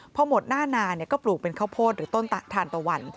พอหมดหน้านานก็ปลูกเป็นข้าวโพดหรือต้นทานตะวัน